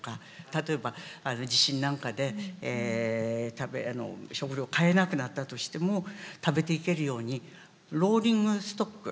例えば地震なんかで食料を買えなくなったとしても食べていけるように「ローリングストック」。